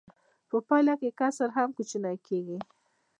په پایله کې کسر هم کوچنی کېږي